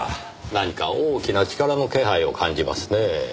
何か大きな力の気配を感じますねぇ。